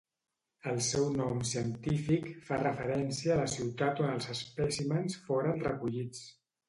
El seu nom científic fa referència a la ciutat on els espècimens foren recollits.